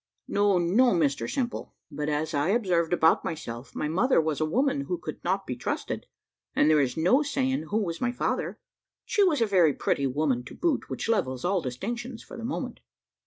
"No, no, Mr Simple but as I observed about myself, my mother was a woman who could not be trusted, and there is no saying who was my father; and she was a very pretty woman to boot, which levels all distinctions for the moment.